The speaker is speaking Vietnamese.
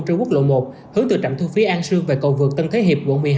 trên quốc lộ một hướng từ trạm thương phía an sương về cầu vực tân thế hiệp quận một mươi hai